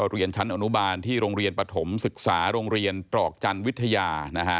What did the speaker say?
เรียนชั้นอนุบาลที่โรงเรียนปฐมศึกษาโรงเรียนตรอกจันทร์วิทยา